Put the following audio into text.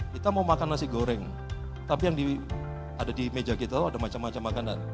kita mau makan nasi goreng tapi yang ada di meja kita ada macam macam makanan